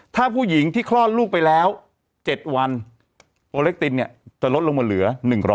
ถ้าผู้หญิงที่คลอดลูกไปแล้ว๗วันโอเล็กตินเนี่ยจะลดลงมาเหลือ๑๐๐